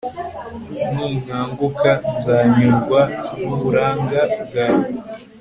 ninkanguka, nzanyurwa n'uburanga bwawe